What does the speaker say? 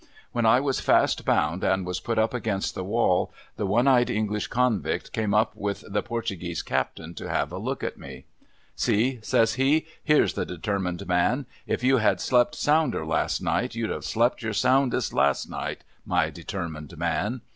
U'hen I was fast bound and was put up against tbe wall, tbe one eyed English convict came up with the I'ortuguesc Captain, to have a look at me. ' See !' says he. ' Here's the determined man ! If you had slept sounder, last ni ht, you'd have slept your soundest last night, niv determined man.'